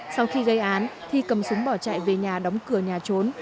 sau khi gây án thi cầm súng bỏ chạy về nhà đóng cửa nhà trốn